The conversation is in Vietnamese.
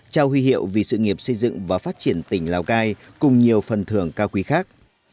trao huy hiệu vì sự nghiệp xây dựng và phát triển tỉnh lào cai cùng nhiều phần thưởng cao quý khác